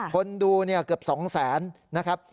คนดูเนี่ยเกือบ๒แสนนะครับ